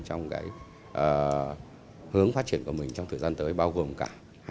trong hướng phát triển của mình trong thời gian tới bao gồm cả hai nghìn hai mươi